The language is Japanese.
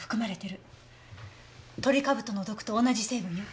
トリカブトの毒と同じ成分よ。